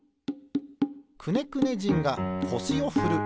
くねくね人がこしをふる。